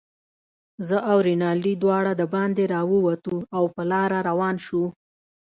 زه او رینالډي دواړه دباندې راووتو، او په لاره روان شوو.